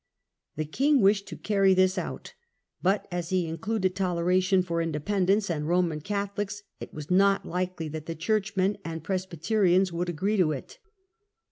The king wished to carry this out, but as he included tolera tion for Independents and Roman Catholics, it was not likely that the Churchmen and Presbyterians would agree to it.